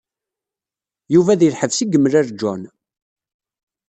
Yuba deg lḥebs i yemlal John.